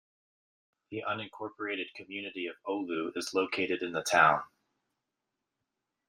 The unincorporated community of Oulu is located in the town.